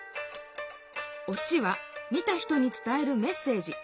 「落ち」は見た人に伝えるメッセージ。